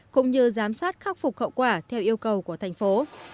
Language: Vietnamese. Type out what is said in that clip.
cũng như giám sát khắc phục hậu quả theo yêu cầu của thành phố